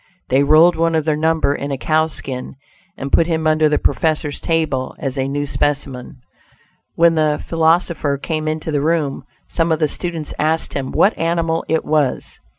They rolled one of their number in a cow skin and put him under the professor's table as a new specimen. When the philosopher came into the room, some of the students asked him what animal it was.